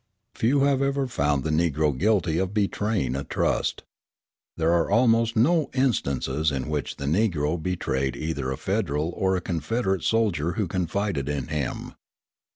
Few have ever found the Negro guilty of betraying a trust. There are almost no instances in which the Negro betrayed either a Federal or a Confederate soldier who confided in him.